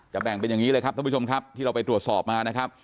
แบ่งเป็นอย่างนี้เลยครับท่านผู้ชมครับที่เราไปตรวจสอบมานะครับ